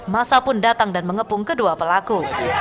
masa pun datang dan mengepung kedua pelaku